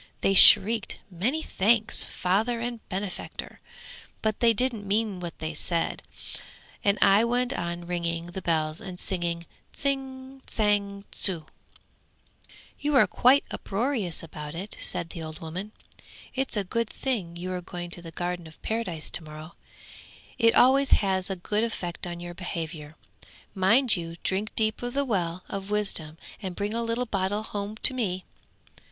They shrieked "Many thanks, Father and benefactor," but they didn't mean what they said, and I went on ringing the bells and singing "Tsing, tsang, tsu!"' 'You're quite uproarious about it!' said the old woman. 'It's a good thing you are going to the Garden of Paradise to morrow; it always has a good effect on your behaviour. Mind you drink deep of the well of wisdom, and bring a little bottleful home to me.'